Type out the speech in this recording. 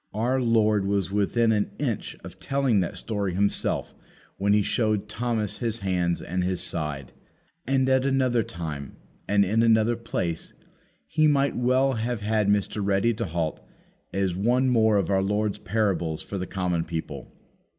Our Lord was within an inch of telling that story Himself, when He showed Thomas His hands and His side. And at another time and in another place we might well have had Mr. Ready to halt as one more of our Lord's parables for the common people.